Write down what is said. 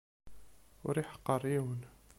Ur iḥeqqer yiwen.